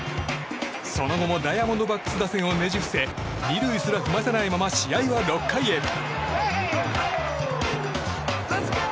その後もダイヤモンドバックス打線をねじ伏せ２塁すら踏ませないまま試合は６回へ。